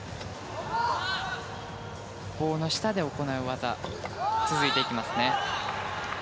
棒の下で行う技が続いてきます。